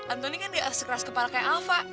antoni kan tidak sekeras kepala seperti alva